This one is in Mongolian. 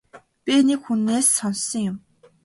Би нэг хүнээс сонссон юм.